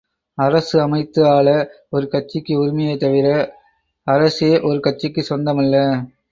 அரசு அமைத்து ஆள ஒரு கட்சிக்கு உரிமையே தவிர, அரசே ஒரு கட்சிக்குச் சொந்தமல்ல?